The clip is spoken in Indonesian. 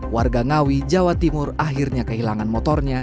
warga ngawi jawa timur akhirnya kehilangan motornya